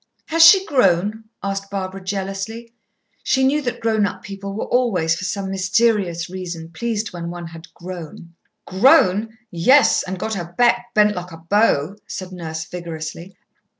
"Has she grown?" asked Barbara jealously. She knew that grown up people were always, for some mysterious reason, pleased when one had "grown." "Grown! Yes, and got her back bent like a bow," said Nurse vigorously.